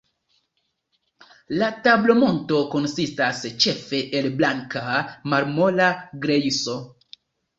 La tablomonto konsistas ĉefe el blanka, malmola grejso.